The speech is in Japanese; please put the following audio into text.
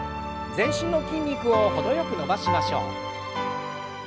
全身の筋肉を程よく伸ばしましょう。